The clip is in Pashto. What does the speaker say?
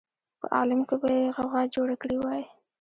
په عالم کې به یې غوغا جوړه کړې وای.